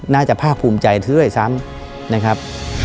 น่าจะภาคภูมิใจซะด้วยซ้ำนะครับ